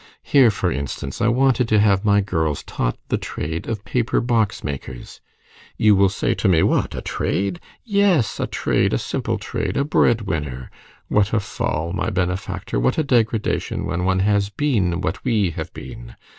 Here, for instance, I wanted to have my girls taught the trade of paper box makers. You will say to me: 'What! a trade?' Yes! A trade! A simple trade! A bread winner! What a fall, my benefactor! What a degradation, when one has been what we have been!